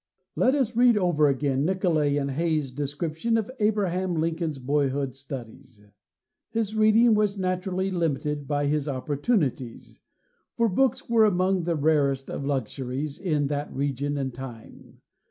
"Let us read over again Nicolay and Hay's description of Abraham Lincoln's boyhood studies: 'His reading was naturally limited by his opportunities, for books were among the rarest of luxuries in that region and time.